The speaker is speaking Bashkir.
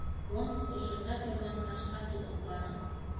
Гонд ошонда торған, ташҡа тубыҡланып...